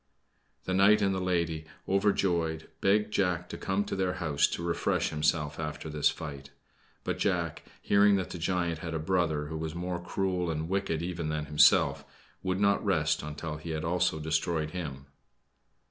The knight and the lady, overjoyed, begged Jack to come to their house to refresh himself after this fight; but Jack, hearing that the giant had a brother who was more cruel and wicked even than himself, would not rest until he had also destroyed him.